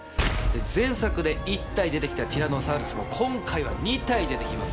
前作で１体出て来たティラノサウルスも今回は２体出て来ます。